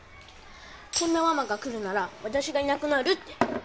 「こんなママが来るなら私がいなくなる」って